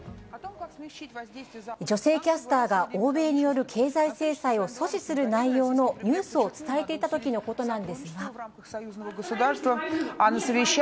女性キャスターが欧米による経済制裁を阻止する内容のニュースを伝えていたときのことなんですが。